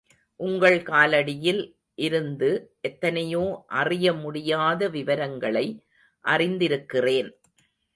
உங்கள் காலடியில் இருந்து எத்தனையோ அறிய முடியாத விவரங்களை அறிந்திருக்கிறேன்.